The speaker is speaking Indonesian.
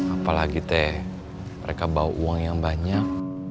apalagi teh mereka bawa uang yang banyak